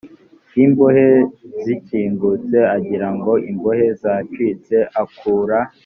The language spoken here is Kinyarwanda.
y imbohe zikingutse agira ngo imbohe zacitse akura